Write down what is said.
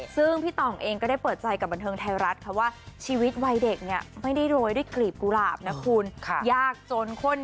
ซึ่งพี่ต่อเองก็ได้เปิดใจกับบันเทิงไทยรัฐคือว่าชีวิตวัยเด็กไม่ได้โรยได้กลีบกุหลาบนะคุณ